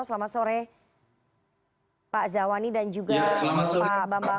selamat sore pak zawani dan juga pak bambang